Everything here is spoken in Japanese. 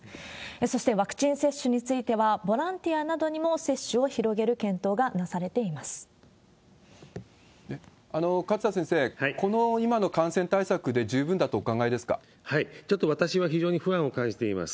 そしてワクチン接種については、ボランティアなどにも接種を広げ勝田先生、この今の感染対策ちょっと私は非常に不安を感じています。